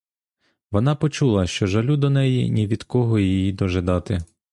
Вона почула, що жалю до неї ні від кого їй дожидати.